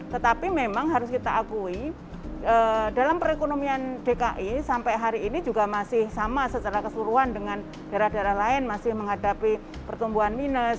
tetapi memang harus kita akui dalam perekonomian dki sampai hari ini juga masih sama secara keseluruhan dengan daerah daerah lain masih menghadapi pertumbuhan minus